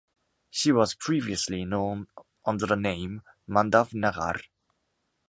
She was previously known under the name, Mandav Nagar.